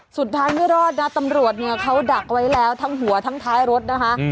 สุดท้ายไม่รอดนะตำรวจเนี่ยเขาดักเอาไว้แล้วทั้งหัวทั้งท้ายรถนะคะ